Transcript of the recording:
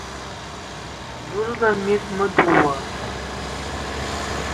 Budugi mis, mə dug wa.